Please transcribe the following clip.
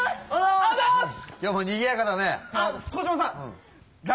ありがとうございます！